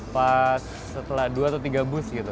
pas setelah dua atau tiga bus gitu